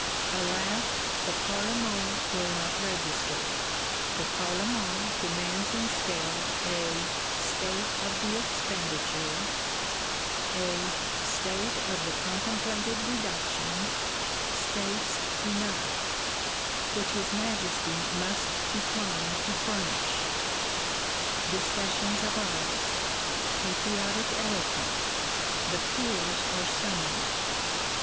Alas, the Parlement will not register: the Parlement demands instead a "state of the expenditure," a "state of the contemplated reductions;" "states" enough; which his Majesty must decline to furnish! Discussions arise; patriotic eloquence: the Peers are summoned.